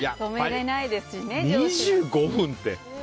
２５分って。